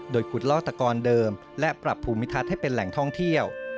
โดยขุดลอกตะกรเดิมและปรับภูมิทัศน์ให้เป็นแหล่งท่องเที่ยว